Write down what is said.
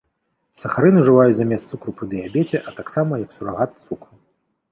Сахарын ужываюць замест цукру пры дыябеце, а таксама як сурагат цукру.